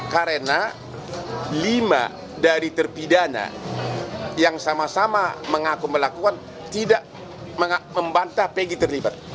karena lima dari terpidana yang sama sama mengaku melakukan tidak membantah pegi terlibat